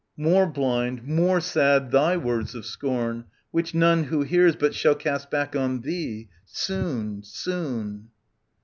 More blind, more sad thy words of scorn, which none Who hears but shall cast back on thee : soon, soon.